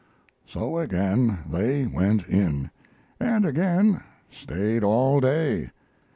So again they went in, and again stayed all day.